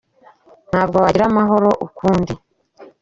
Ntabwo wagira amahoro ukundi.